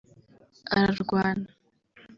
ararwana